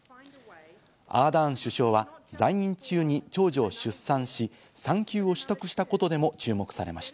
アーダーン首相は在任中に長女を出産し、産休を取得したことでも注目されました。